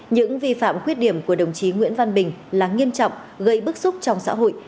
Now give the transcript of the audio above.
những vi phạm khuyết điểm của đồng chí nguyễn văn bình là nghiêm trọng gây bức xúc trong xã hội